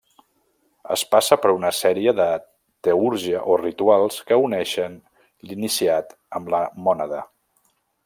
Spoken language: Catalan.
Es passa per una sèrie de teúrgia o rituals que uneixen l'iniciat amb la Mònada.